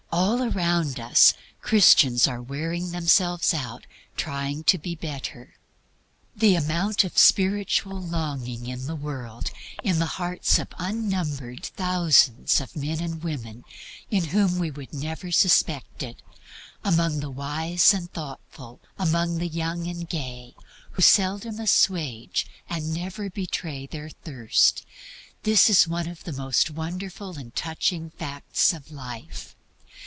All around us Christians are wearing themselves out in trying to be better. The amount of spiritual longing in the world in the hearts of unnumbered thousands of men and women in whom we should never suspect it; among the wise and thoughtful, among the young and gay, who seldom assuage and never betray their thirst this is one of the most wonderful and touching facts of life.